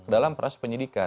dalam proses penyelidikan